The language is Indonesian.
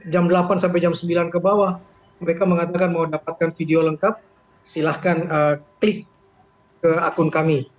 jam delapan sampai jam sembilan ke bawah mereka mengatakan mau dapatkan video lengkap silahkan klik ke akun kami